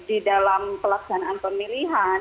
di dalam pelaksanaan pemilihan